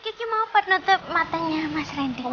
kiki mau apa nutup matanya mas reyndy